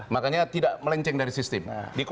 makanya tidak melenceng dari sistem